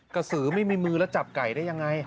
สือไม่มีมือแล้วจับไก่ได้ยังไง